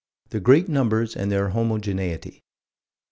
Their great numbers and their homogeneity.